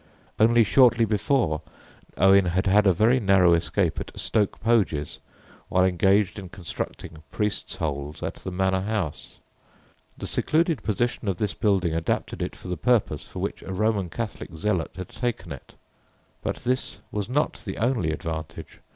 Only shortly before Owen had had a very narrow escape at Stoke Poges while engaged in constructing "priests' holes" at the Manor House. The secluded position of this building adapted it for the purpose for which a Roman Catholic zealot had taken it. But this was not the only advantage.